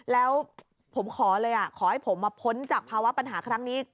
แล้วผมขอเลยขอให้ผมมาพ้นจากภาวะปัญหาครั้งนี้